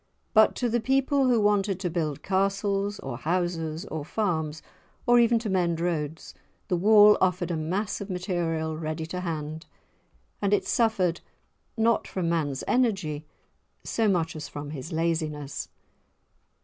But to the people who wanted to build castles or houses or farms, or even to mend roads, the wall offered a mass of material ready to hand, and it suffered not from man's energy so much as from his laziness.